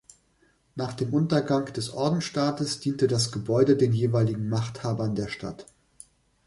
Nach dem Untergang des Ordensstaates diente das Gebäude den jeweiligen Machthabern der Stadt.